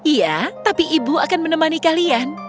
iya tapi ibu akan menemani kalian